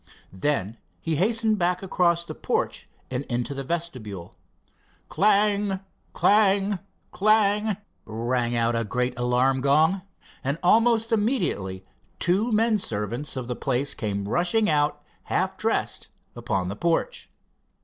Then he hastened back across the porch and into the vestibule. Clang! clang! Clang! rang out a great alarm gong, and almost immediately two men servants of the place came rushing out half dressed upon the porch.